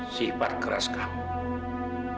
sifat keras kamu